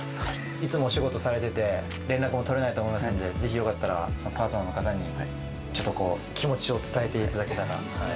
いつもお仕事されてて、連絡も取れないと思いますので、ぜひよかったら、そのパートナーの方に、ちょっと気持ちを伝えていただけたら。